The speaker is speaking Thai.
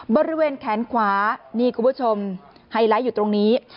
บริเวณแขนขวานี่คุณผู้ชมไฮไลท์อยู่ตรงนี้